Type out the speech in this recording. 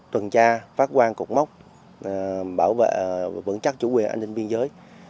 tuần tra phát quan cục mốc bảo vệ vững chắc chủ quyền an ninh biên giới